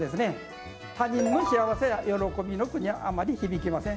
他人の幸せや喜びの句にはあまり響きません。